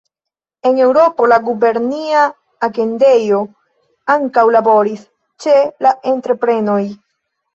En Eŭropo, la gubernia agentejo ankaŭ laboris ĉe la entreprenoj.